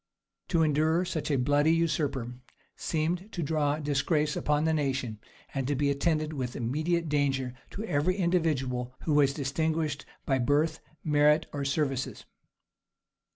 To endure such a bloody usurper seemed to draw disgrace upon the nation, and to be attended with immediate danger to every individual who was distinguished by birth, merit, or services.